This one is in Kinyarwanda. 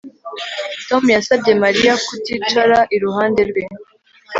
Tom yasabye Mariya kuticara iruhande rwe